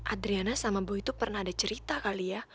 adriana sama bu itu pernah ada cerita kali ya